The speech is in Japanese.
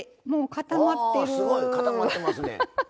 固まってますね。